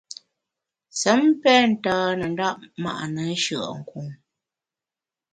Sem pen ntane ndap ma’ne nshùe’nkun.